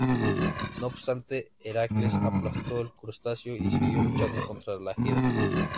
No obstante, Heracles aplastó al crustáceo y siguió luchando contra la Hidra.